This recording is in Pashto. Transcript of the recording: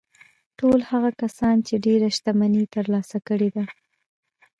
ټول هغه کسان چې ډېره شتمني يې ترلاسه کړې ده.